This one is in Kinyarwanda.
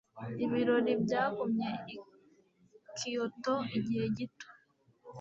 Ibirori byagumye i Kyoto igihe gito.